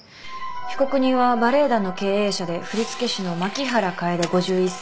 被告人はバレエ団の経営者で振付師の槇原楓５１歳。